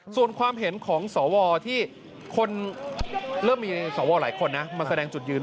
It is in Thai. ส่วนความเห็นของสวที่คนเริ่มมีสวหลายคนนะมาแสดงจุดยืน